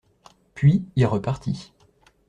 Puis, il repartit.